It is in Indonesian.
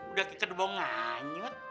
udah kikedung mau nganyut